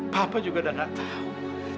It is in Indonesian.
papa juga udah gak tahu